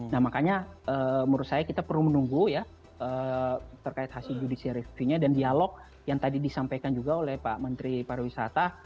nah makanya menurut saya kita perlu menunggu ya terkait hasil judicial review nya dan dialog yang tadi disampaikan juga oleh pak menteri pariwisata